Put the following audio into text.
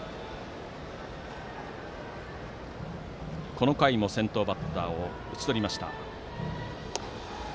この回も先頭バッターを打ち取りました。